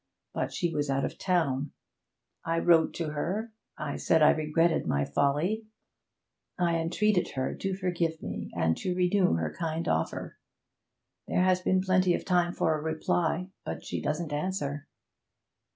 But she was out of town. I wrote to her I said I regretted my folly I entreated her to forgive me and to renew her kind offer. There has been plenty of time for a reply, but she doesn't answer.'